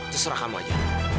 seserah kamu aja